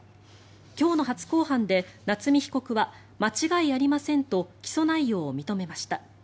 今日の初公判で夏見被告は間違いありませんと起訴内容を認めました。